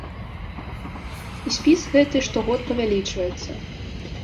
І спіс гэты штогод павялічваецца.